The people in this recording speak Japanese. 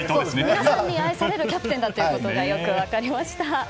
皆さんに愛されるキャプテンということがよく分かりました。